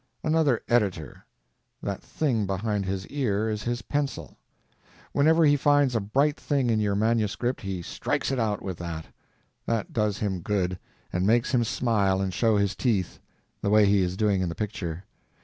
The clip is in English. Another editor. That thing behind his ear is his pencil. Whenever he finds a bright thing in your manuscript he strikes it out with that. That does him good, and makes him smile and show his teeth, the way he is doing in the picture.